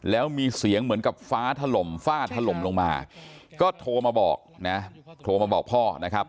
แล้วมีเสียงเหมือนกับฟ้าถล่มลงมาก็โทรมาบอกพ่อนะครับ